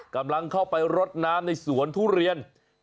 กำลังเข้าไปรดน้ำในสวนทุเรียน